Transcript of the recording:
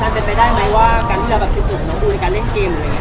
จานเป็นไปได้มั้ยว่าการที่เรามาฝีศุกร์โดยการเล่นเกมอะไรเงี้ย